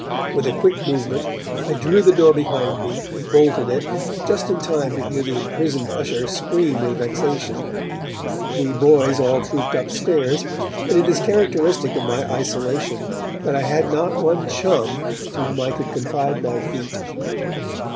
With a quick movement, I drew the door behind me and bolted it, just in time to hear the imprisoned usher scream with vexation. We boys all trooped upstairs and it is characteristic of my isolation that I had not one 'chum' to whom I could confide my feat.